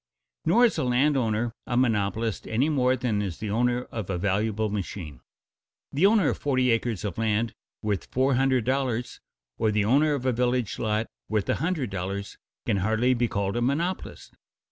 Nor is a land owner a monopolist any more than is the owner of a valuable machine. The owner of forty acres of land worth four hundred dollars, or the owner of a village lot worth a hundred dollars, can hardly be called a monopolist.